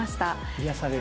癒やされる。